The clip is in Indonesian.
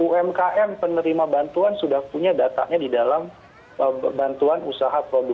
umkm penerima bantuan sudah punya datanya di dalam bantuan usaha